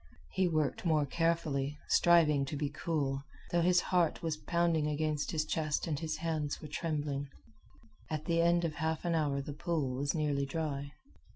He worked more carefully, striving to be cool, though his heart was pounding against his chest and his hands were trembling. At the end of half an hour the pool was nearly dry.